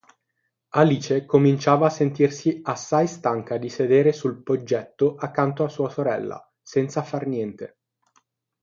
Alice cominciava a sentirsi assai stanca di sedere sul poggetto accanto a sua sorella, senza far niente.